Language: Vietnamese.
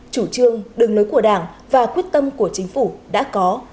chủ trương đường lối của đảng và quyết tâm của chính phủ đã có